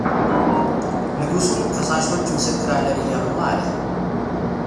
ንጉሱም ከሳሾች ምስክር አለን እያሉ ነው አለ፡፡